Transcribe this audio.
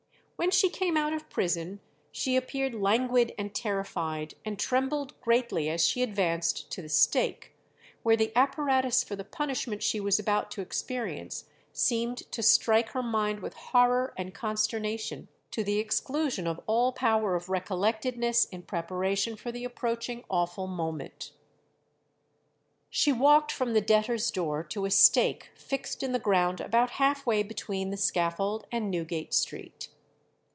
"When she came out of prison she appeared languid and terrified, and trembled greatly as she advanced to the stake, where the apparatus for the punishment she was about to experience seemed to strike her mind with horror and consternation, to the exclusion of all power of recollectedness in preparation for the approaching awful moment." She walked from the debtors' door to a stake fixed in the ground about half way between the scaffold and Newgate Street.